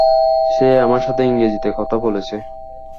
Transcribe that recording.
সে আমার সাথে ইংরেজিতে কথা বলেছে।